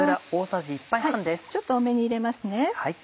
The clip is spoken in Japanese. ちょっと多めに入れますね。